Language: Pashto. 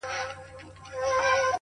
• د درنې مرګ ژوبلي رپوټونه ورکوي -